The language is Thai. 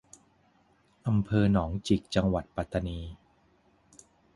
อำเภอหนองจิก จังหวัดปัตตานี